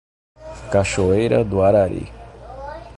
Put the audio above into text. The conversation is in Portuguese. Cachoeira do Arari